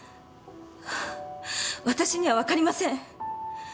私には分かりません。